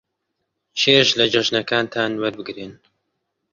چێژ لە جەژنەکانتان وەربگرن.